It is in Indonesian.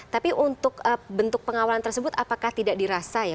tapi untuk bentuk pengawalan tersebut apakah tidak dirasa ya